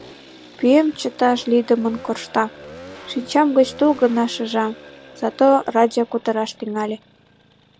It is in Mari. Пӱем чыташ лийдымын коршта, шинчам гыч тул гына шыжа, зато радио кутыраш тӱҥале.